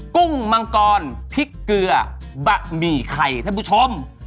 กุ้งมังกรพริกเกลือบะหมี่ไข่ท่านผู้ชม